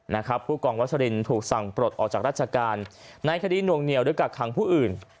นะครับผู้กองวัชรินถูกสั่งปลดออกจากราชการในคดีหน่วงเหนียวหรือกักขังผู้อื่น